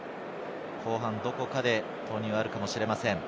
後半、どこかで投入があるかもしれません。